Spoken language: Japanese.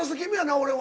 俺は。